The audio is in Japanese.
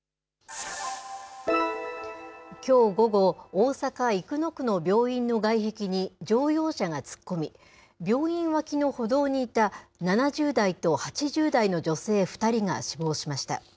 きょう午後、大阪・生野区の病院の外壁に乗用車が突っ込み、病院脇の歩道にいた、７０代と８０代の女性２人が死亡しました。